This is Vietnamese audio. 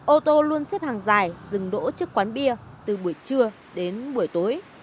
ô tô luôn xếp hàng dài dừng đỗ trước quán bia từ buổi trưa đến buổi tối